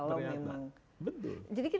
bisa ternyata betul